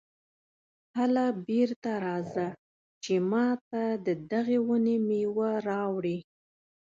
هله بېرته راځه چې ماته د دغې ونې مېوه راوړې.